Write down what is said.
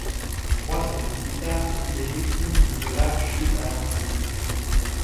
Trois semaines plus tard, il est victime d'une grave chute à l'entrainement.